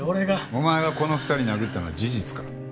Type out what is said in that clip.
お前がこの２人殴ったのは事実か？